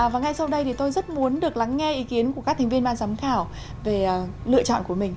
và ngay sau đây thì tôi rất muốn được lắng nghe ý kiến của các thành viên ban giám khảo về lựa chọn của mình